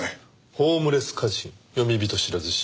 ホームレス歌人詠み人知らず氏。